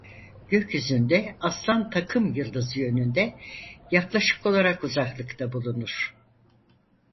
Gökyüzünde Aslan takımyıldızı yönünde yaklaşık olarak uzaklıkta bulunur.